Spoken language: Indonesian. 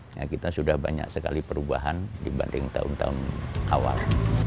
karena kita sudah banyak sekali perubahan dibanding tahun tahun awal